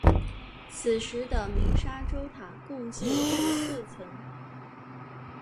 此时的鸣沙洲塔共计十四层。